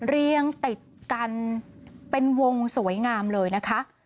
เรียงติดกันเป็นวงสวยงามเลยนะคะ